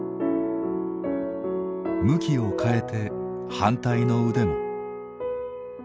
向きを変えて反対の腕も。